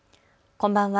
こんばんは。